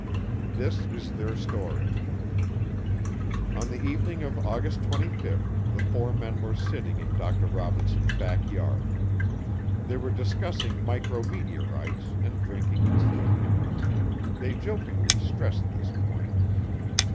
This is their story: On the evening of August 25 the four men were sitting in Dr. Robinson's back yard. They were discussing micrometeorites and drinking tea. They jokingly stressed this point.